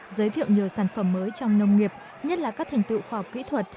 giới thiệu nhiều sản phẩm mới trong nông nghiệp nhất là các thành tựu khoa học kỹ thuật